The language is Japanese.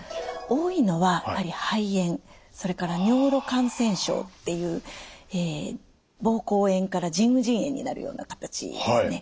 多いのはやはり肺炎それから尿路感染症っていうぼうこう炎から腎盂腎炎になるような形ですね。